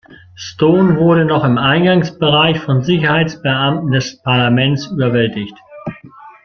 Stone wurde noch im Eingangsbereich von Sicherheitsbeamten des Parlaments überwältigt.